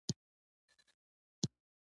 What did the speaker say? دا د څېړونکو د سربدالۍ سبب شوی.